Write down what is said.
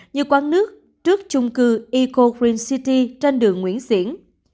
như quán nước trước chung cư eco green city trên đường nguyễn xiển